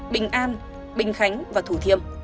bình an bình khánh và thủ thiêm